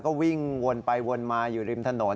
ก็วิ่งวนไปวนมาอยู่ริมถนน